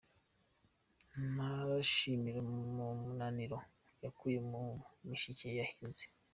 Ntarashira umunaniro yakuye mu mishike yahinze.